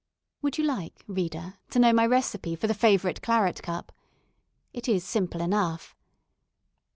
Would you like, reader, to know my recipe for the favourite claret cup? It is simple enough.